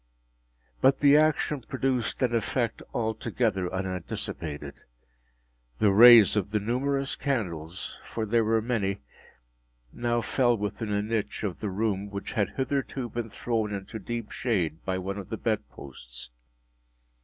But the action produced an effect altogether unanticipated. The rays of the numerous candles (for there were many) now fell within a niche of the room which had hitherto been thrown into deep shade by one of the bed posts.